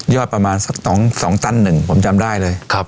ยอดประมาณ๒ตั้น๑ผมจำได้เลย